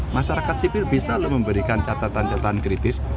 masyarakat sipil bisa memberikan catatan catatan kritis